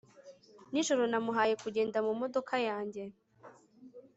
nijoro namuhaye kugenda mumodoka yanjye